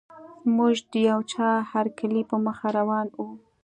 موږ د یوه چا هرکلي په موخه روان وو.